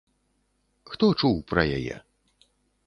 Хто чуў пра яе?